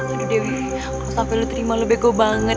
aduh dewi kalo sampe lo terima lo bego banget